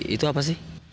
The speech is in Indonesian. itu apa sih